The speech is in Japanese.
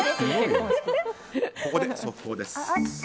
ここで速報です。